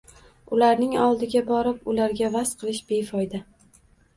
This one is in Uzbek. Ularning oldiga borib, ularga va'z qilish befoyda